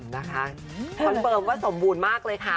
คอนเฟิร์มว่าสมบูรณ์มากเลยค่ะ